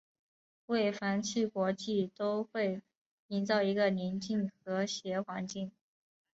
为繁嚣国际都会营造一个宁静和谐环境。